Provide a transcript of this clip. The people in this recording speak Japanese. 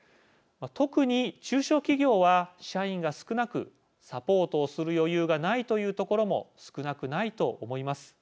特に中小企業は社員が少なくサポートをする余裕がないというところも少なくないと思います。